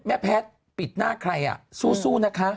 แพทย์ปิดหน้าใครสู้นะคะ